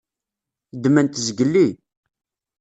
Ddmen-t zgelli.